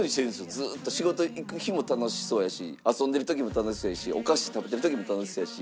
ずっと仕事行く日も楽しそうやし遊んでる時も楽しそうやしお菓子食べる時も楽しそうやし。